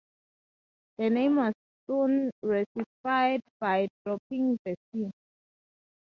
The name was soon Russified, by dropping the "c".